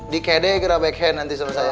di kd gerak belakang nanti sama saya